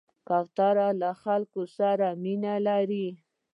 کوتره له خلکو سره مینه لري.